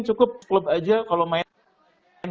cukup klub aja kalau main